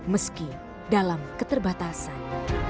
meski dalam keterbatasan